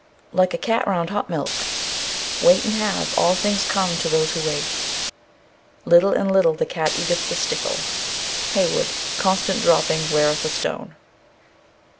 Like a cat round hot milk. Wait and have; all things come to those who wait. Little and little the cat eateth the stickle. HEYWOOD. Constant dropping weareth a stone.